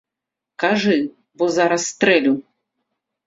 Кажы, бо зараз стрэлю!